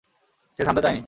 সে থামতে চায় নি।